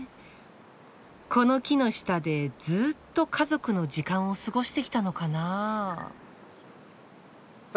この木の下でずっと家族の時間を過ごしてきたのかなぁ。